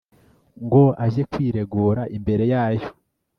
ngo ajye kwiregura imbere yayo